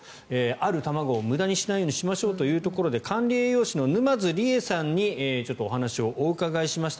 ある卵を無駄にしないようにしましょうということで管理栄養士の沼津りえさんにお話をお伺いしました。